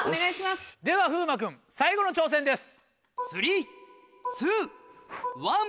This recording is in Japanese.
では風磨君最後の挑戦です。